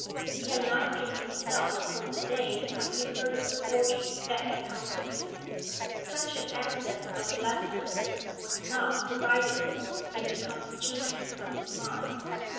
He had not been himself from the day when he heard of the fortune that had come to him; such an access of blessedness was not provided for in the constitution of his mind.